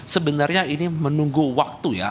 sebenarnya ini menunggu waktu ya